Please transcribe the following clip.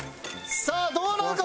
さあどうなるか？